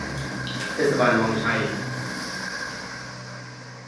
เทศบาลวังชัย